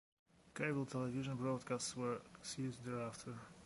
Cable television broadcasts were ceased thereafter.